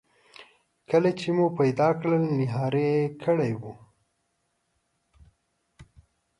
کله چې مو پیدا کړل نهاري یې کړې وه.